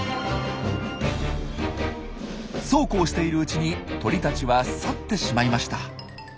そうこうしているうちに鳥たちは去ってしまいました。